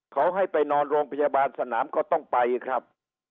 เขาให้ไปนอนโรงพยาบาลสนามก็ต้องไปครับ